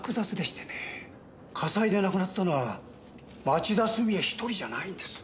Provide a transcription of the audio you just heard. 火災で亡くなったのは町田純江１人じゃないんです。